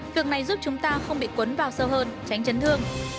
việc này giúp chúng ta không bị cuốn vào sâu hơn tránh chấn thương